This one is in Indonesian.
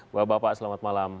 bapak bapak selamat malam